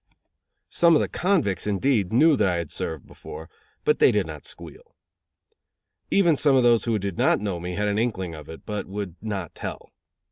Some of the convicts, indeed, knew that I had served before; but they did not squeal. Even some of those who did not know me had an inkling of it, but would not tell.